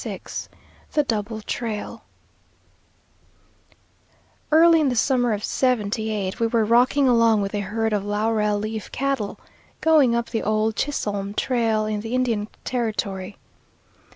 VI THE DOUBLE TRAIL Early in the summer of '78 we were rocking along with a herd of Laurel Leaf cattle, going up the old Chisholm trail in the Indian Territory.